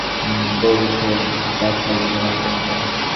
বড়ি খেয়ে ব্যথা যদি না কমত!